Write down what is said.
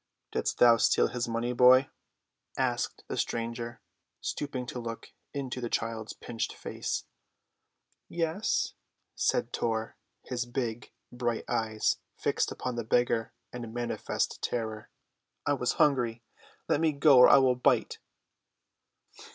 "Didst thou steal his money, boy?" asked the stranger, stooping to look into the child's pinched face. "Yes," said Tor, his big, bright eyes fixed upon the beggar in manifest terror. "I was hungry. Let me go or I will bite."